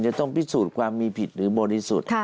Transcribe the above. จะต้องพิสูจน์ความมีผิดหรือบริสุทธิ์